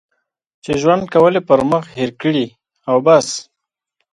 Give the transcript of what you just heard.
چې ژوند کول یې پر مخ هېر کړي او بس.